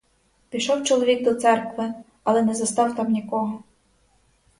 Пішов чоловік до церкви, але не застав там нікого.